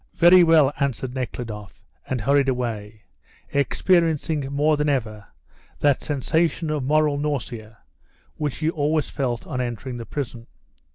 "Very well," answered Nekhludoff, and hurried away, experiencing more than ever that sensation of moral nausea which he always felt on entering the prison.